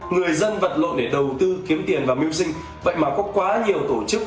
người dân vật lộn để đầu tư kiếm tiền và mưu sinh vậy mà có quá nhiều tổ chức